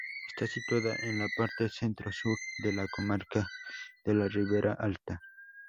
Está situada en la parte centro-sur de la comarca de la Ribera Alta.